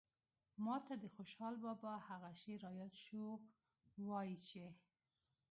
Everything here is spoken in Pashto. ماته د خوشال بابا هغه شعر راياد شو وايي چې